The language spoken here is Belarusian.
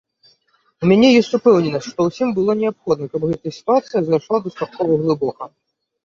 У мяне ёсць упэўненасць, што ўсім было неабходна, каб гэтая сітуацыя зайшла дастаткова глыбока.